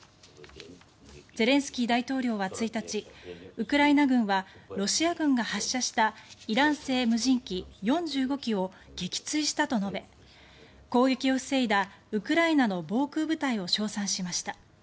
ゼレンスキー大統領は１日ウクライナ軍はロシア軍が発射したイラン製無人機４５機を撃墜したと述べ攻撃を防いだウクライナの防空部隊を称賛しました。